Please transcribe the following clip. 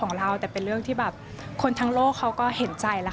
ในสองคนตอนกลับมา